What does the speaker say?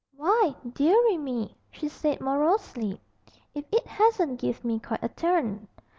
'Why, deary me,' she said morosely, 'if it hasn't give me quite a turn.